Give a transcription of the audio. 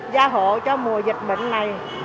gia hộ cho mùa dịch bệnh này